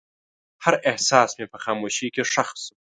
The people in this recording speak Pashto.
هر احساس مې په خاموشۍ کې ښخ شو.